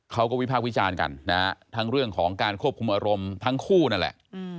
วิพากษ์วิจารณ์กันนะฮะทั้งเรื่องของการควบคุมอารมณ์ทั้งคู่นั่นแหละ